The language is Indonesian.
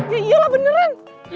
ya iyalah beneran